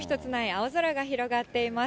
青空が広がっています。